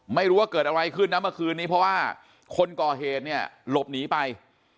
ไม่รู้ว่าเกิดอะไรขึ้นนะเมื่อคืนนี้เพราะว่าคนก่อเหตุเนี่ยหลบหนีไป